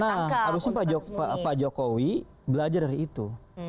nah harusnya pak jokowi belajar dari itu